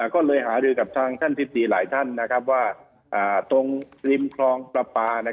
ก็เลยหารือกับทางท่านทิศดีหลายท่านว่าตรงริมคลองประปา